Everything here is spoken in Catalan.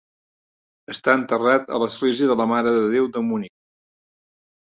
Està enterrat a l'Església de la Mare de Déu de Munic.